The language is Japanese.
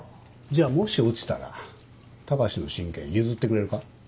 じゃあもし落ちたら高志の親権譲ってくれるか？